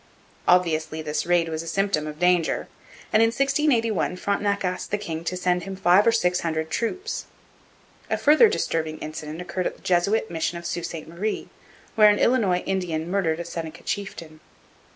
Obviously this raid was a symptom of danger, and in 1681 Frontenac asked the king to send him five or six hundred troops. A further disturbing incident occurred at the Jesuit mission of Sault Ste Marie, where an Illinois Indian murdered a Seneca chieftain.